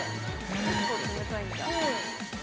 ◆結構冷たいんだ。